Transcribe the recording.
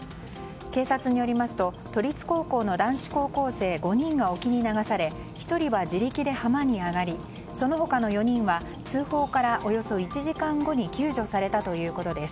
警察によりますと都立高校の男子高校生５人が沖に流され１人は自力で浜に上がりその他の４人は通報からおよそ１時間後に救助されたということです。